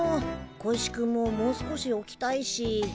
小石君ももう少しおきたいし。